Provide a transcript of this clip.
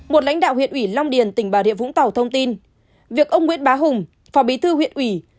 một lãnh đạo huyện huyện long điền tỉnh bà rịa vũng tàu thông tin việc ông nguyễn bá hùng phòng bí thư huyện huyện